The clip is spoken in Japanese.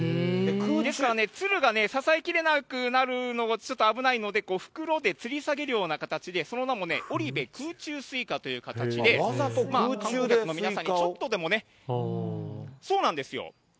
ですからね、つるが支えきれなくなるのがちょっと危ないので、袋でつり下げるような形で、その名も織部空中スイカという形で、皆さんにちょっとでも。